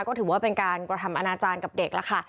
ก็ถือว่าเป็นการกระทำอนาจารย์กับเด็กแล้วค่ะ